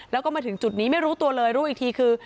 แล้วก็มาถึงจุดนี้ไม่รู้ตัวเลยรู้อีกทีคือ